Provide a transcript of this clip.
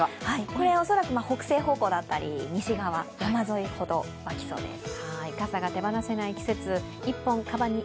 これ恐らく北西方向だったり西側、山沿いほど湧きそうです。